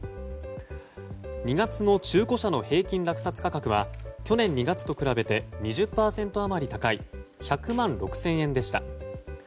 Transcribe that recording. ２月の中古車の平均落札価格は去年２月と比べて２０％余り高い１００万６０００円でした。